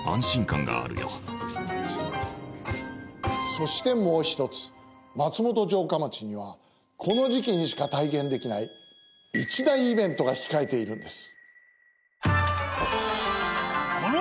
そしてもう一つ松本城下町にはこの時期にしか体験できない一大イベントが控えているんです。